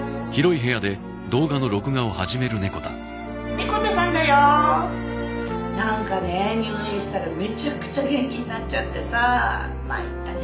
猫田さんだよなんかね入院したらめちゃくちゃ元気になっちゃってさ参ったね